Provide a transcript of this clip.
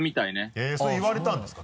へぇそれ言われたんですか？